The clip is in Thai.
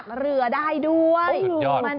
ปีภาษ